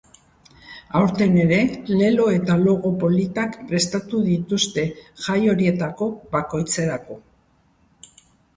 Aurten ere, lelo eta logo politak prestatu dituzte jai horietako bakoitzerako.